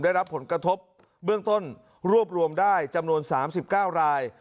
ได้รับผลกระทบเบื้องต้นรวบรวมได้จำนวน๓๙ราย